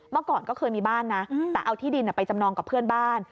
เมื่อก่อนก็เคยมีบ้านนะแต่เอาที่ดินไปจำนองกับเพื่อนบ้าน